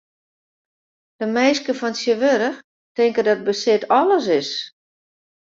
De minsken fan tsjintwurdich tinke dat besit alles is.